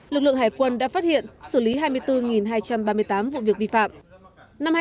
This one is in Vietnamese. lực lượng hải quân đã phát hiện xử lý hai mươi bốn hai trăm ba mươi tám vụ việc vi phạm